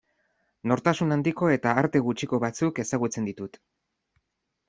Nortasun handiko eta arte gutxiko batzuk ezagutzen ditut.